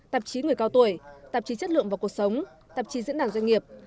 tạp chí người cao tuổi tạp chí chất lượng và cuộc sống tạp chí diễn đàn doanh nghiệp